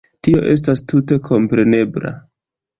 Tio estas tute komprenebla.